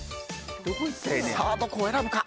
さあ、どこを選ぶか。